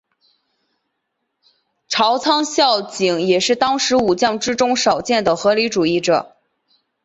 朝仓孝景也是当时武将之中少见的合理主义者。